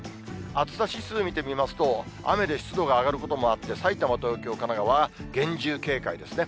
暑さ指数見てみますと、雨で湿度が上がることもあって、埼玉、東京、神奈川は厳重警戒ですね。